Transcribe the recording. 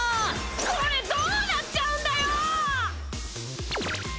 これどうなっちゃうんだよ！？